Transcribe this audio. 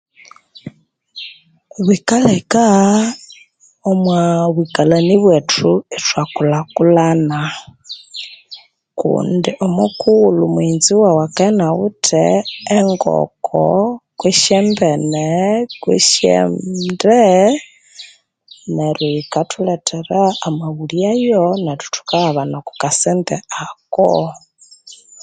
Bikaleka omwa bwikalhani bwethu ithwakulhakulhana kundi omukughulhu mughenzi waghu akaya inyawithe engoko kwisi embene kwisi embene kwisi ende neryo yikathulethera amaghulyayo nethu thukaghabana okwa kasente ako